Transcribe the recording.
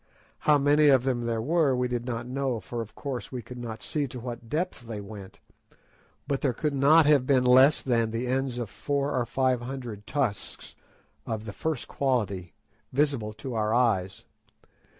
How many of them there were we did not know, for of course we could not see to what depth they went back, but there could not have been less than the ends of four or five hundred tusks of the first quality visible to our eyes.